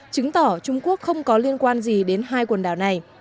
chứng tỏ trung quốc không có liên quan gì đến hai quần đảo này